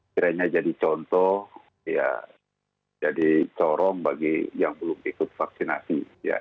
kiranya jadi contoh ya jadi corong bagi yang belum ikut vaksinasi